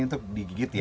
itu digigit ya